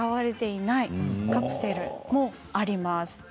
こういうカプセルもあります。